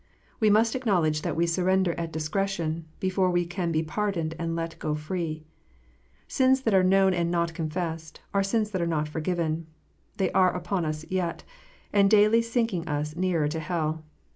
We must acknowledge that we surrender at dis cretion, before we can be pardoned and let go free. Sins that are known and not confessed, are sins that are not forgiven : they are yet upon us, and daily sinking us nearer to hell.